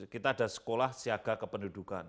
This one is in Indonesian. kita ada sekolah siaga kependudukan